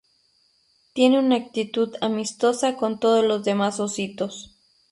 Tiene una actitud amistosa con todos los demás ositos.